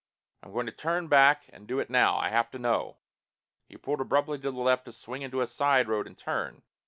I'm going to turn back and do it now. I have to know!" He pulled abruptly to the left to swing into a side road and turn.